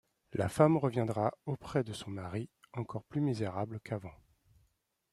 La femme reviendra auprès de son mari, encore plus misérable qu’avant.